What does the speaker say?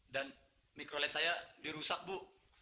dan mikrolet saya dirusak bu